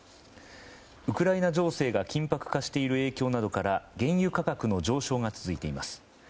ウクライナ情勢が緊迫化している影響などから原油価格の上昇が続いています。